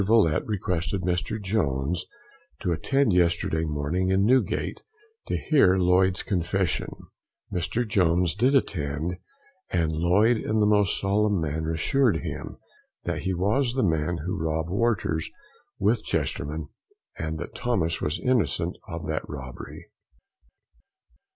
Villette requested Mr. Jones to attend yesterday morning in Newgate, to hear Lloyd's confession: Mr. Jones did attend, and Lloyd, in the most solemn manner, assured him that he was the man who robbed Worters, with Chesterman, and that Thomas was innocent of that robbery.